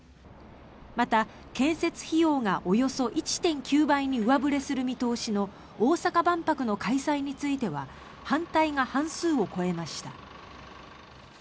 また、建設費用がおよそ１．９倍に上振れする見通しの大阪万博の開催については反対が半数を超えました。